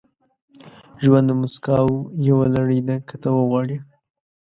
• ژوند د موسکاو یوه لړۍ ده، که ته وغواړې.